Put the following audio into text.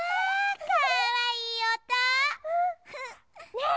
ねえ！